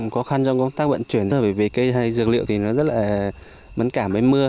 có khăn trong công tác vận chuyển về cây hay dược liệu thì nó rất là mấn cảm với mưa